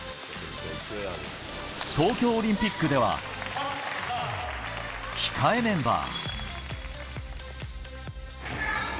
東京オリンピックでは控えメンバー。